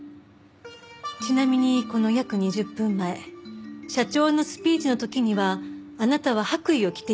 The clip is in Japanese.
ちなみにこの約２０分前社長のスピーチの時にはあなたは白衣を着ていました。